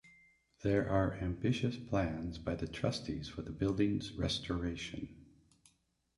There are ambitious plans by the Trustees for the building's restoration.